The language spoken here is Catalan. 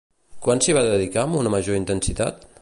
Quan s'hi va dedicar amb una major intensitat?